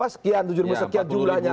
empat tujuh sekian jumlahnya